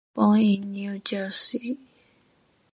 Reading, was born in New Jersey.